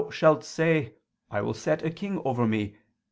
shalt say: I will set a king over me